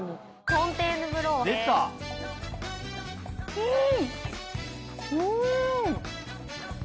うん。